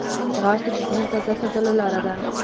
ځغاسته د ذهن تازه ساتلو لاره ده